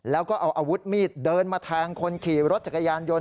แล้วก็เอาอาวุธมีดเดินมาแทงคนขี่รถจักรยานยนต